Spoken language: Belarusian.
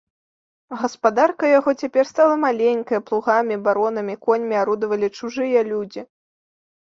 Гаспадарка яго цяпер стала маленькая, плугамі, баронамі, коньмі арудавалі чужыя людзі.